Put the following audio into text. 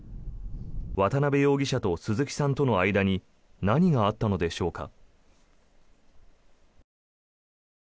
渡辺容疑者と鈴木さんとの間に何があったのでしょうか。